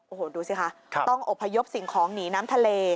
โอ้โหดูสิคะต้องอบพยพสิ่งของหนีน้ำทะเล